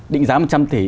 định giá một trăm linh tỷ